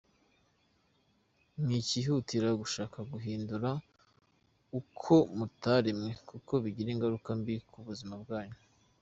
Mwikihutira gushaka kwihindura uko mutaremwe kuko bigira ingaruka mbi ku buzima bwanyu.